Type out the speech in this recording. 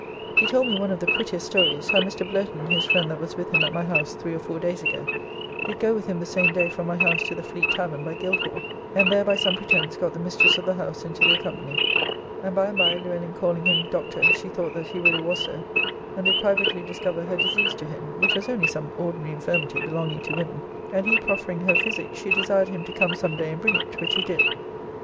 He told me one of the prettiest stories, how Mr. Blurton, his friend that was with him at my house three or four days ago, did go with him the same day from my house to the Fleet tavern by Guildhall, and there (by some pretence) got the mistress of the house into their company, and by and by Luellin calling him Doctor she thought that he really was so, and did privately discover her disease to him, which was only some ordinary infirmity belonging to women, and he proffering her physic, she desired him to come some day and bring it, which he did.